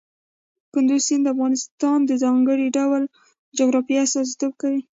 کندز سیند د افغانستان د ځانګړي ډول جغرافیه استازیتوب کوي.